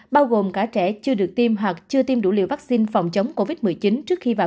bao gồm cả trẻ chưa được tiêm hoặc chưa tiêm đủ liều vaccine phòng chống covid một mươi chín trước khi vào